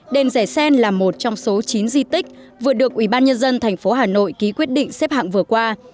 đèn rẻ xen là một trong số chín di tích vừa được ủy ban nhân dân thành phố hà nội ký quyết định xếp hạng vừa qua